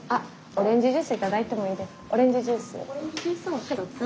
オレンジジュースを１つ。